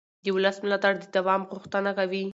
د ولس ملاتړ د دوام غوښتنه کوي